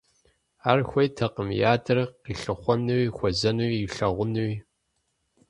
Ар хуейтэкъым и адэр къилъыхъуэнуи, хуэзэнуи, илъэгъунуи.